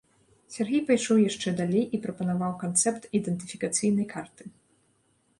Сяргей пайшоў яшчэ далей і прапанаваў канцэпт ідэнтыфікацыйнай карты.